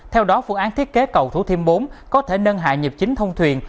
theo đó phương án thiết kế cầu thủ thiêm bốn có thể nâng hạ nhập chính thông thuyền